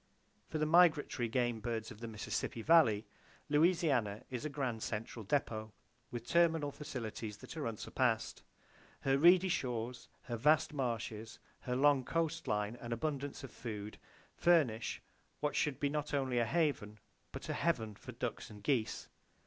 For the migratory game birds of the Mississippi Valley, Louisiana is a grand central depot, with terminal facilities that are unsurpassed. Her reedy shores, her vast marshes, her long coast line and abundance of food furnish what should be not only a haven but a heaven for ducks and geese.